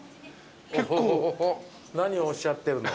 オホホホ何をおっしゃってるの？